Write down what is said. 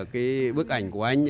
cái bức ảnh của anh